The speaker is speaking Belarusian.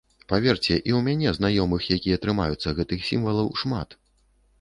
Паверце, і ў мяне знаёмых, якія трымаюцца гэтых сімвалаў, шмат.